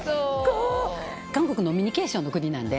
韓国飲みニケーションの国なんで。